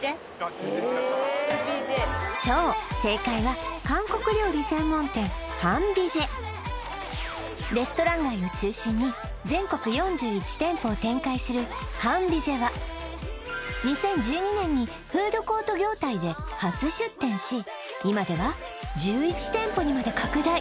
そう正解はレストラン街を中心に全国４１店舗を展開する韓美膳は２０１２年にフードコート業態で初出店し今では１１店舗にまで拡大